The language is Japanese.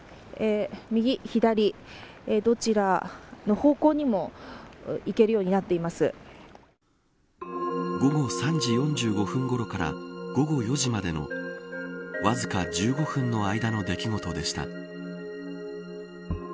右、左どちらの方向にも午後３時４５分ごろから午後４時までのわずか１５分の間の出来事でした。